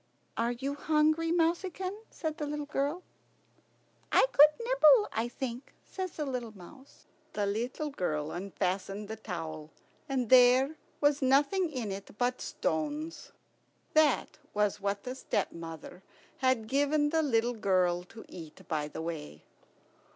"Are you hungry, mouseykin?" said the little girl "I could nibble, I think," says the little mouse. The little girl unfastened the towel, and there was nothing in it but stones. That was what the stepmother had given the little girl to eat by the way.